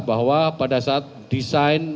bahwa pada saat desain